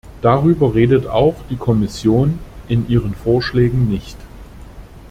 Darüber redet auch die Kommission in ihren Vorschlägen nicht.